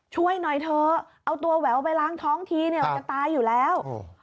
ช่วยหน่อยเถอะเอาตัวแหววไปล้างท้องทีเนี่ยมันจะตายอยู่แล้ว